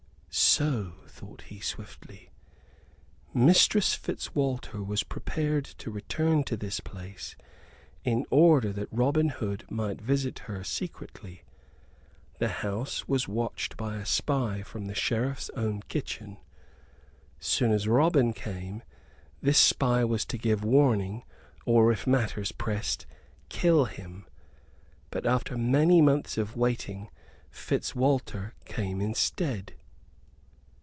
"So," thought he, swiftly, "Mistress Fitzwalter was persuaded to return to this place in order that Robin Hood might visit her secretly. The house was watched by a spy from the Sheriff's own kitchen. Soon as Robin came, this spy was to give warning; or, if matters pressed, kill him. But after many months of waiting, Fitzwalter came instead."